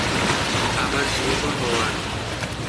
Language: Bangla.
আবার জীবিত হওয়ার।